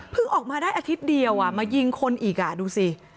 เพิ่งออกมาได้อาทิตย์เดียวอ่ะมายิงคนอีกอ่ะดูสิ